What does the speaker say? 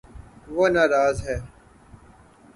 وہ نا راض ہے